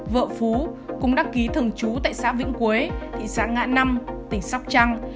vợ phú cùng đăng ký thường trú tại xã vĩnh quế thị xã ngã năm tỉnh sóc trăng